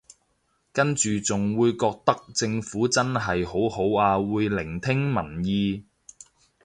跟住仲會覺得政府真係好好啊會聆聽民意